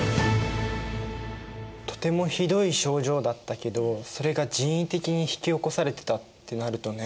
とてもひどい症状だったけどそれが人為的に引き起こされてたってなるとね。